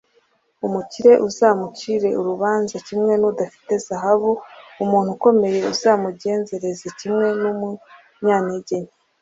umukire uzamucire urubanza kimwe n'udafite zahabu, umuntu ukomeye uzamugenzereze kimwe n'umunyantege nke